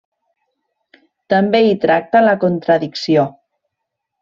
També hi tracta la contradicció.